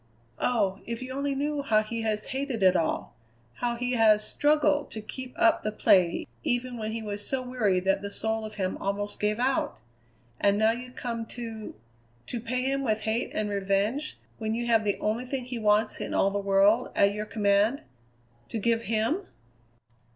Oh! if you only knew how he has hated it all, how he has struggled to keep up the play even when he was so weary that the soul of him almost gave out! And now you come to to pay him with hate and revenge when you have the only thing he wants in all the world at your command to give him!"